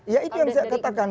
ya itu yang saya katakan